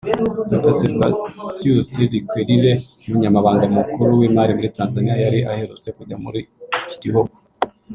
Dr Servacius Likwelile umunyamabanga mukuru w’imari muri Tanzania yari aherutse kujya muri iki gihugu